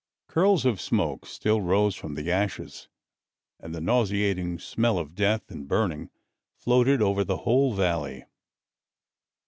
Curls of smoke still rose from the ashes, and the nauseating smell of death and burning floated over the whole valley.